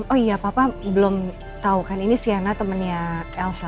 oh iya papa belum tahu kan ini siana temennya elsa